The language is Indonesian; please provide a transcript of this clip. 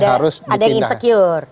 jadi ada yang insecure